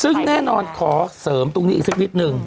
ซึ่งแน่นอนขอเสริมตรงนี้อีกสักนิดนึง